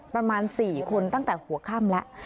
ประมาณ๔คนตั้งแต่หัวค่ำแล้ว